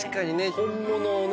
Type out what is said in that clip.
本物をね。